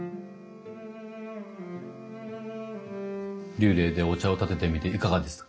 立礼でお茶を点ててみていかがですか？